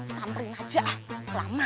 samperin aja lah lama